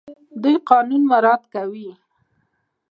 دوی قانون مراعات کوي.